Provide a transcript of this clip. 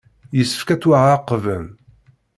Yessefk ad ttwaɛaqben.